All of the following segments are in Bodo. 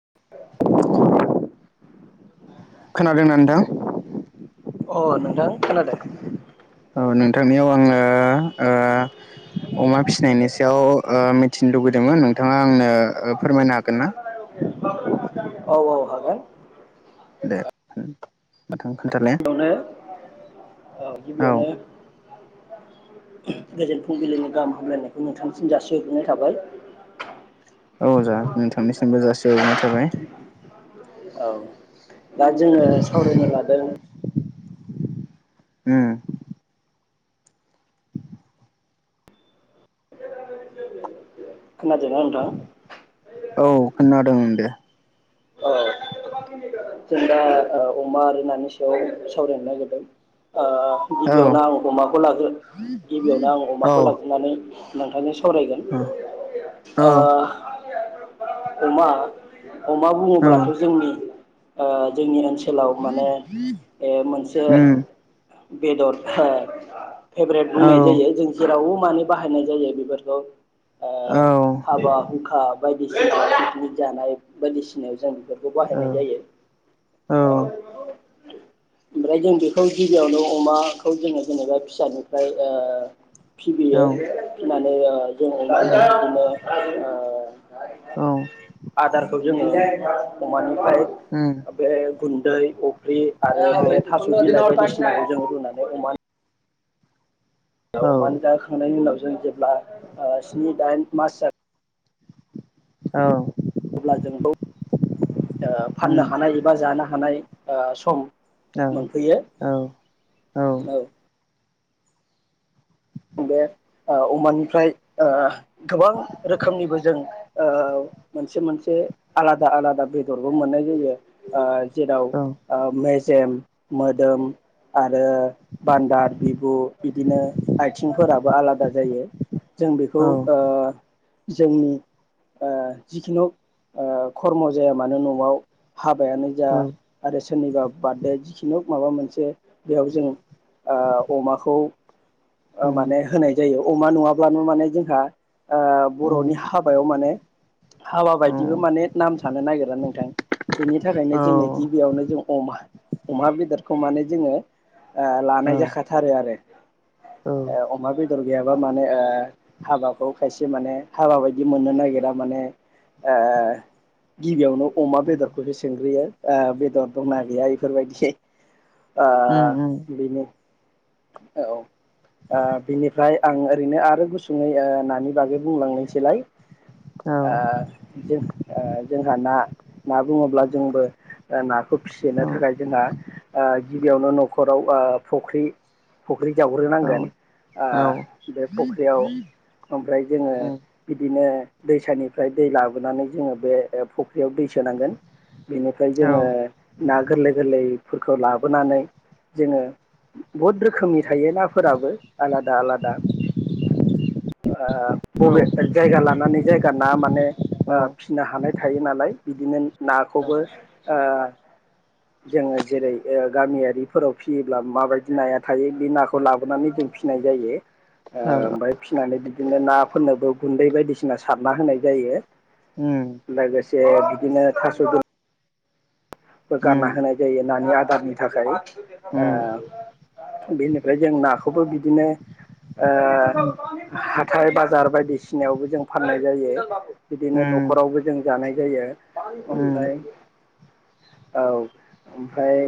औ खोनादों नदोंां अ नोंथां खोनादों औ नोंथांनियाव आङो अमा फिसिनायनि सायाव मिथिनो लुबैदोंमोन नोंथाङा आंनो फोरमायनो हागोन ना औ औ हागोन दे नोंथां खोन्थालाय बेयावनो औ गिबियावनो गोजोन फुंबिलिनि गाहाम हामलायनायखौ नोंथांनिसिम जासिहग्रोनाय थाबाय। औ जा नोंथांनिसिमबो जासि हरग्रोनाय थाबाय औ दा जोङो सावरायनो लादों उम खोनादोंना नोंथां औ खनादों दे औ जों दा अमा आरो नानि सायाव सावरायनो नागिरदों। ओ औ गिबियावनो आं अमाखौ लागोन गिबियावनो आं औ अमाखौ लाग्रोनानै नोंथांनि सावरायगोन औ ओ अमा अमा औ बुङोब्लाथ' जोंनि ओ जोंनि ओनसोल ओनसोलाव माने मोनसे उम बेदर फेभरेट औ बुंनाय जायो जों जेराव माने बाहायनाय जायो बेफोरखौ ओ औ हाबा हुंखा बायदिसिना पिकनिक जानाय बायदिसिनायाव जा बेफोरखौ बाहायनाय जायो औ ओमफ्राय जों बेखौ गिबियावनो अमाखौ जोङो जेनेबा फिसानिफ्राय ओ औ फिबियो फनानै [inaudible] एयाइ [unintelligible] जों दाङो उम बे दिनों ओ [inaudible] औ जै बा [inaudible] अमाननिफ्राय उम आ गुन्दै अफ्रि आरो औ बे थास बिलाइखौ बिसिनानै जों रुनानै अमा [inaudible] ओ औ अनो जाखांनायनि उनाव जों जेब्ला ओ स्नि दाइन मास जागोन औ अब्ला जों बेखौ ओ फाननो हानाय एबा जानो हानाय ओ सम औ मोनफैयो औ औ बे ओ अमानिफ्राय ओ गोबां रोखोमनिबो जों ओ मोनसे मोनसे आलादा आलादा बेदरबो मोननाय जायो ओ जेराव ओ मेजेम मोदोम आरो बान्दार बिबु बिदिनो आथिंफोराबो आलादा जायो। जों बेखौ औ औ ओ जोंनि ओ जिखुनुहग ओ खरम' जाया मानो न'आव हाबायानो जा औ आरो सोरनिबा बारदे जिखुनुहुग माबा मोनसे बेयाव जोंङो ओ अमाखौ ओ माने नोंथांनो होनाय जायो। अमा नंङाब्लानो माने जोंहा ओ बर'नि हाबायाव माने हाबा बायदिबो माने नाम थानो नागिरा नोंथां बेनि थाखायनो जोंनो गिबियावनो जों अमा अमा बेदरखौ माने जोंङो ओ लानाय जाखाथारो आरो। ए अमा बेदर गैयाबा माने ओ हाबाखौ खायसे माने हाबा बायदि मोननो नागिरा माने ओ गिबियावनो अमा बेदरखौसो सोंग्रोयो। ओ बेदर दंना गैया इफोरबायदि। ओ बिनो। औ ओ दा बिनिफ्राय आं ओरैनो आरो गुसुङै ओ नानि बागै बुंलांनोसैलाय। ओ जों ओ जोंहा ना ना बुङोब्ला जोंबो नाखौ फिनो थाखाय जोंहा ओ गिबियावनो न'खराव ओ फख्रि फख्रि जावग्रोनांगोन ओ बे फख्रियाव ओमफ्राय जोङो बिदिनो दैसानिफ्राय दै लाबोनानै जोङो बे फुख्रियाव दै सोनांगोन। बेनिफ्राय जोङो ना गोरलै गोरलै फोरखौ लाबोनानै जोङो बुहुद रोखोमनि थायो नाफोराबो आलादा आलादा ओ बबे जायगा लानानै जायगा ना माने ओ फिनो हानाय थायो नालाय बिदिनो नाखौबो ओ जोङो जेरै ओ गामियारि फोराव फियोब्ला माबायदि नाया थायो बे नाखौ लाबोनानै जों फिनाय जायो ओ ओमफाय फि फिनानै बिदिनो नाफोरनोबो गुन्दै बायदिसिना सारना होनाय जायो उम जे बिदिनो थास‌ गोलै गारना होनाय जायो नानि आदारनि थाखाय ओ बेनिफ्राय जों नाखौबो बिदिनो ओ हाथाइ बाजार बायदि सिनायावबो जों फाननाय जायो बिदिनो नखरावबो जों जानाय जायो ओमफ्राय औ ओमफ्राय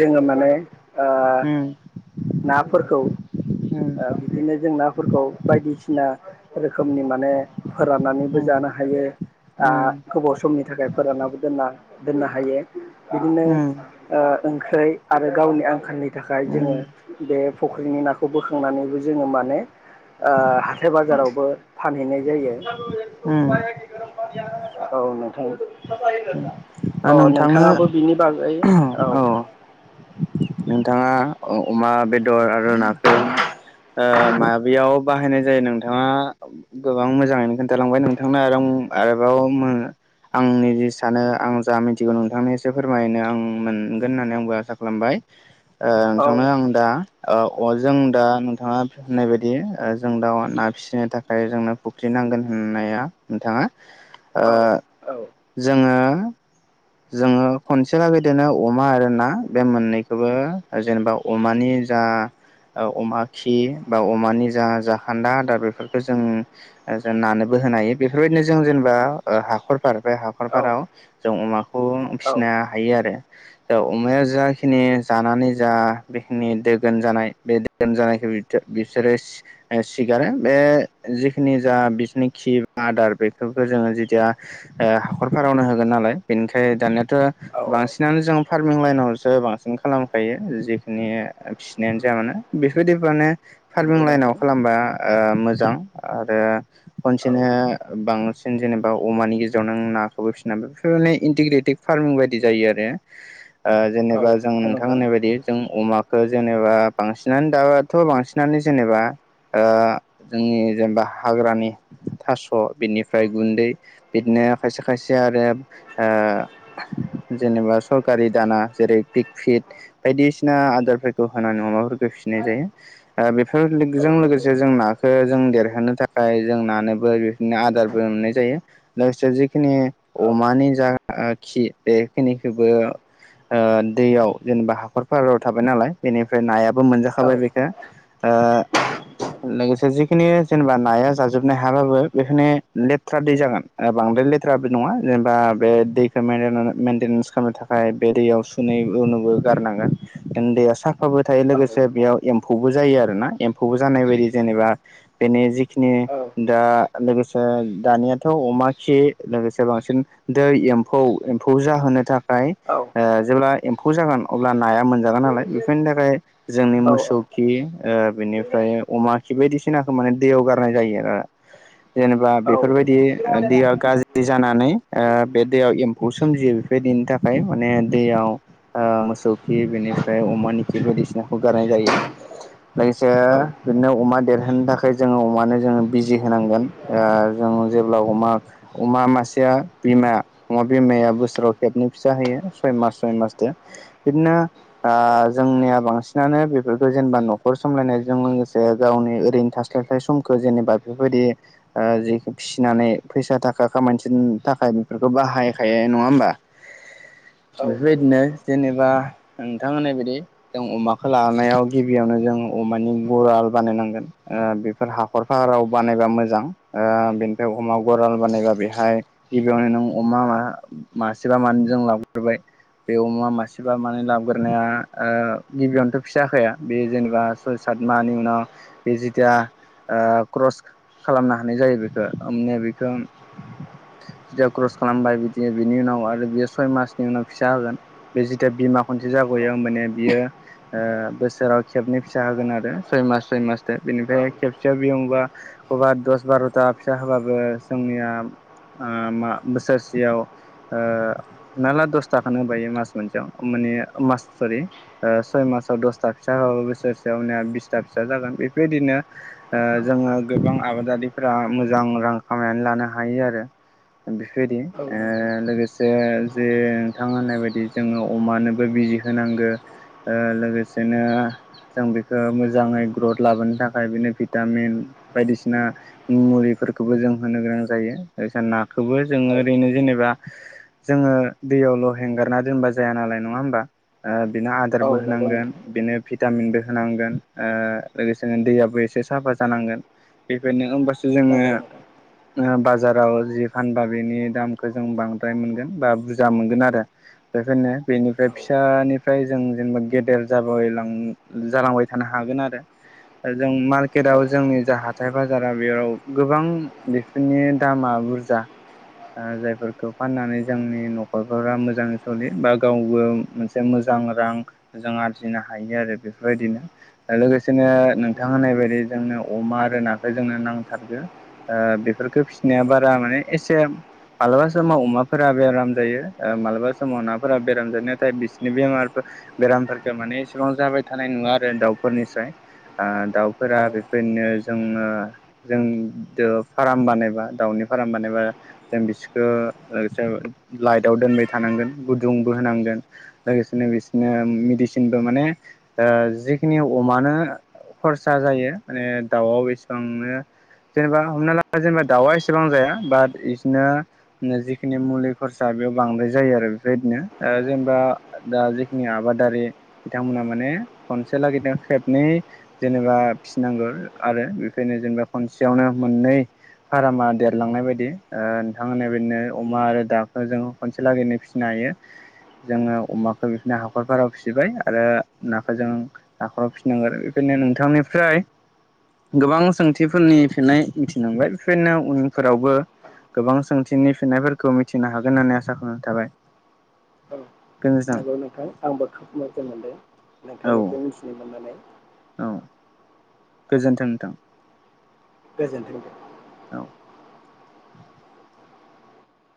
जोङो माने ओ नाफोरखौ ओ बिदिनो जों नाफोरखौ बायदिसिना रोखोमनि माने फोराननानैबो जानो हायो ओ गोबाव समनि थाखाय फोरानाबो दोनना दोननो हायो बिदिनो ओ ओंख्रि आरो गावनि आंखालनि थाखाय जोङो बे फुख्रिनि नाखौ बोखांनानैबो जोङो माने ओ हाथाय बाजारावबो फानहैनाय जायो औ नोंथां औ नोंथाङाबो बिनि बागै औ नोंथाङा अ अमा बेदर आरो नाखौ ओ माबायाव बाहायनाय जायो नोंथाङा गोबां मोजाङैनो खोन्थालांबाय नोंथांनो आरो आरोबाव मो आंनि जिस सानो आं जा मिथि सिगौ नोंथांनो एसे फोरमायनो आं मोनगोन होननानै आंबो आसा खालामबाय ओ औ नोंथांनो आं दा ओ अ जों दा नोंथाङा होननाय बायदि ओ जों दाउआ ना फिसिनो थाखाय खाय जोंनो फुख्रि नांगोन होननाया नोंथाङा ओ औ जोङो जोङो खनसेब बिदिनो अमा आरो ना बे मोननैखौबो जेनेबा अमानि जा अमा खि बा अमानि जा जाखोन्दा आदार बेफोरखौ जों नानोबो होनो हायो बेफोरबायदिनो जों जेनेबा हाखर थार बे औ हाखरफाराव जों अमा खौ औ फिसिनो हायो आरो । दा अमाया जाखिनि जानानै जा बेखिनि दोगोन जानाय बे दोगोन जानायखौ बिसोरो सिगारो बे जिखिनि जा बिसोरनि खि बा आदार बेफोरखौ जोङो जेथिया ओ हाखर फारावनो होगोन नालाय बेनिखाय दानियाथ' औ बांसिनानो जों फारमिं लाइनावसो बांसिन खालामखायो जेखिनि फिसिनायानो जाया मानो बेफोरदि माने फारमिं नंगौ लाइनाव नोंथां खालामबा ओ मोजां आरो औ खनसेनो बांसिन जेनेबा अमानि गेजेराव नों नाखौबो फिनानै ओने इन्टिग्रेटेड फार्मिं बायदि जायो आरो। ओ औ जेनेबा जों नंगौ नोंथां होननाय बायदि जों अमा जेनेबा बांसिनानो दाबाथ' बांसिनानो जेनेबा ओ जोंनि जेनेबा हाग्रानि थास' बिनिफ्राय गुन्दै बिदिनो खायसे खायसे आरो ओ जेनेबा सरकारि दाना जेरै पिक फिट बायदिसिना आदारफोरखौ होनानै अमाफोरखौ फिसिनाय जायो ओ औ बेफोरजों नंगौ लोगोसे जों नोंथां नाखौ जों देरहोनो थाखाय जों नानोबो बेफोरनो आदारबो मोननाय जायो लोगोसे जिखिनि औ अमानि जा खि बे खिनिखोबो ओ दैयाव जेनेबा हाखरफोराव थाबाय नालाय बेनिफ्राय नाया बो औ मोनजाखाबाय बेखो ओ लोगोसे जिखिनि जेनेबा नाया जाजोबनो हायाबाबो बेखिनो लेथ्राादै जागोन बांद्राय लेथ्राबो नङा। जेनेबा बे दैखौ मिदादा मेेनटेनेन्स खामनो थाखाय बे दैयाव सुनै हेनुबो गारनांगोन इन दैया सा फाबो थायो औ औ लोगोसे बेयाव एम खौबो जायो आरोना एम्फौबो जानाय बायदि जेनेबा बेनि जि खिनि औ औ दा आरो लोगोसे दानियाथ' अमा खि लोगोसे बां दै एम्फौ एम्फौ जाहोनो था खाय औ नंगौ नोंथां औ ओ जेब्ला एम्फौ जागोन अब्ला नाया मोनजागोन नालाय बेफोरनि थाखाय जोंनि मोसौ खि ओ बिनिफ्राय अमा खि बायदिसिनाखौ माने दैयाव गारनाय जायो आरो ओ जेनेबा औ औ बेफोरबायदि दैआ गाज्रि जानानै ओ बे दैयाव एम्फौ सोमजियो बेफोरबायदिनि थाखाय माने दैयाव ओ मोसौ खि बेनिफ्राय अमानि खि बायदिसिनाखौ गारनाय जायो लोगोसे बिदिनो अमा देरहोनो थाखाय जोङो अमानो जोङो बिजि होनांगोन ओ जों जेब्ला अमा अमा मासेया बिमा अमा बिमाया बोसोराव खेबनै फिसा होयो सय मास सय मासजों बिदिनो ओ जोंनिया बांसिनानो बेफोरखौ जेनेबा न'खर सामलायनायजों लोगोसे गावनि ओरैनो थास्लायस्लाय समखौ जेनेबा बेफोरबायदि ओ जि फिसिनानै फैसा थाखा खामायसिन थाखाय बेफोरखौ बाहायखायो नङा होमबा? औ नंगौ बेफोरबायदिनो नोंथां जेनेबा नोंथां होननाय बायदि जों अमाखौ लानायाव गिबियावनो जों अमानि गराल बानायनांगोन ओ बेफोर हाखर फाहाराव बानायबा मोजां ओ बे याव अमा गराल बानायबा बेहाय गिबियावनो नों अमा मा मासेबा मानै जों लाग्रोबाय बे अमा मासेबा मानै लाबग्रोनाया ओ गिबियावनोथ' फिसाहोखाया बे जेनेबा सय सात माहानि उनाव बे जिथिया क्रस खालामनो हानाय जायो बेखो ओमनिया बेखो जे क्रस खालामबाय बिदि बिनि उनाव आरो बेयो सय मासनि उनाव फिसा होगोन बे जिथिया बिमा खनसे जाग'यो माने बियो ओ बोसोराव खेबनै फिसा होगोन आरो सय मास सय मासदो बेनिफ्राय खेबसेयाव बि मौबा आवबा दस बार'था फिसा होबाबो जोंनिया ओ मा बोसोरसेयाव ओ हमनाला दसथखेनो होबायो मास मोनसेयाव माने मास सरि सय मासाव दसथा फिसा होबाबो बोसोरसेयाव ओमनिया बिसथा फिसा जागोन बेफोरबायदिनो ओ जोङो गोबां आबादारि फोरा मोजां रां खामायनानै लानो हायो आरो। बेफोरबायदि ओ लोगोसे जे नोंथां होननाय बायदि जोङो अमानोबो बिजि होनांगो ओ लोगोसेनो जों बेखौ मोजाङै ग्रथ लाबोनो थाखाय बेनो भिटामिन बायदिसिना मुलिफोरखौबो जों होनो गोनां जायो। बेखायनो नाखौबो जोङो औ ओरैनो जेनेबा जोङो दैयावल' हेंगारना दोनबा जाया नालाय नङा होमबा ओ बेनो आदारबो औ नंगौ होनांगोन नोंथां बेनो भि टामिनबो होनांगोन ओ लोगोसेनो दैयाबो एसे साफा जानांगोन बेबायनो होबासो नंगौ नोथां। ओ बा जाराव जि फानबा बेनि दामखौ जों बांद्राय मोनगोन बा बुरजा मोनगोन आरो बेखायनो बेनिफ्राय औ फिसानिफ्राय जों जेनेबा गेदेर जाबायलां जालांबाय थानो हागोन आरो जों औ मार्केटाव जोंनि जा हाथाय बाजारा बेयाव गोबां बेफोरनि दामा बुरजा ओ जायफोरखौ फाननानै जोंनि न'खरफोरा मोजाङै सलि बा गावबो मोनसे मोजां रां जों आरजिनो हायो आरो बेफोरबायदिनो लोगोसेनो नोंथां होननाय बायदि जोंनो अमा आरो नाखौ जोंनो नांथारगो ओ बेफोरफोरखो फिसि नो बारा माने एसे मालाबा समाव अमाफोरा बेराम जायो ओ मालाबा समाव नाफोरा बेराम जायो नाथाय बिसोरनि बेमार बेरामफोरखौ माने इसेबां जाबाय थानाय नङा आरो ओ दाउफोरनिफ्राय दाउफोरा औ बेफोरनो जोङो जों फार्म बानायबा दाउनि फारामबानबा जों बिसोरखौ लोगोसे लाइटआव दोनबाय थानांगोन गुदुंबो होनांगोन लोगोसेनो बिसोरनो मेडिसिनबो माने ओ जिखिनि अमानो खरसा जायो माने दाउआव बेसेबांनो जेनेबा हमना ला जेनेबा दाउआ एसेबां बेसेबां जाया बाट इदिनो जिखिनि मुलि खरसा बेयाव बांद्राय जायो आरो बेबायदिनो जेनेबा दा जिखिनि आबादारि बिथांमोना माने खनसे लागैजों खेबनै जेनेबा फिसिनांगौ आरो बेफोरनो जेनेबा खनसेयावनो मोननै फार्मा देरलांनाय बायदि ओ नोंथां बिदिनो अमा आरो दाउखो जों खनसे लागैनो फिसिनो हायो जोङो अमाखौ बिनो हाखरफोराराव फिसिबाय आरो नाखौ जों हाखराव फिसिनांगोन बेदिनो नोंथांनिफ्राय गोबां सोंथि बेफोरनि फिननाय ओं [unintelligible] फोरावबो गोबां सोंथि थिनि फिन्नायफोरखौ मिथिनो हागोन होननानै आसा खालामनाय थाबाय। औ गोजोन्थों नंगौ नोंथां आंबो खोब मोजां मोनदों औ नोंथांनिफ्राय मिथिनो मोननानै। औ गोजोन्थों नोंथां। गोजोनथों दे औ